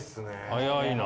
早いな。